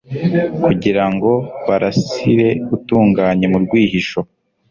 kugira ngo barasire utunganye mu rwihisho